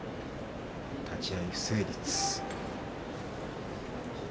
立ち合い不成立。